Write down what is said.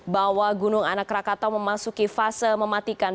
bahwa gunung anak rakatau memasuki fase mematikan